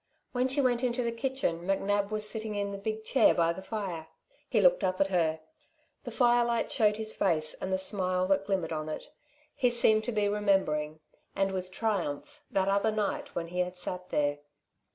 When she went into the kitchen McNab was sitting in the big chair by the fire. He looked up at her. The firelight showed his face and the smile that glimmered on it. He seemed to be remembering, and with triumph, that other night when he had sat there.